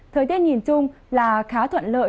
thời tiết nhìn chung là khá thuận lợi